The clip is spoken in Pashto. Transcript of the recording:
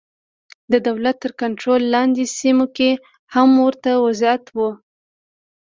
د دولت تر کنټرول لاندې سیمو کې هم ورته وضعیت و.